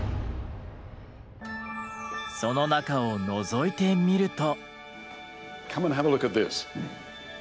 その中をのぞいてみると。